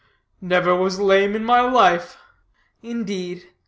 "Never was lame in my life." "Indeed?